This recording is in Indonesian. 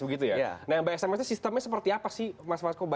begitu ya nah yang by smsnya sistemnya seperti apa sih mas fasco